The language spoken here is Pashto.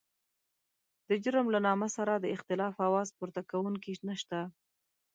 د جرم له نامه سره د اختلاف اواز پورته کوونکی نشته.